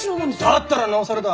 だったらなおさらだ！